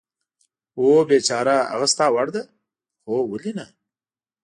هو، بېچاره، هغه ستا وړ ده؟ هو، ولې نه.